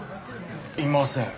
いません。